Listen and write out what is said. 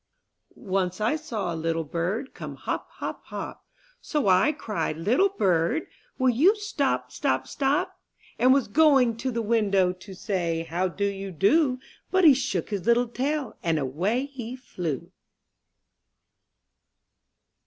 12 IN THE NURSERY ^^ /^NCE I saw a little bird ^^ Come hop, hop, hop; So I cried, "Little bird. Will you stop, stop, stop?'* And was going to the window To say, "How do you do?'* But he shook his little tail, And away he flew.